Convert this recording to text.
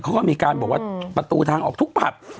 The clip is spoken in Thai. เขาก็มีการบอกว่าประตูทางออกทุกผับ